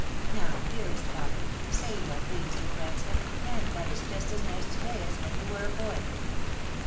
Now, dearest father, say you are pleased with Branscomb, and that it's just as nice to day as when you were a boy."